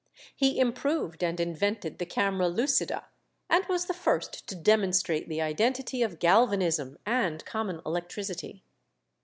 He improved and invented the camera lucida, and was the first to demonstrate the identity of galvanism and common electricity.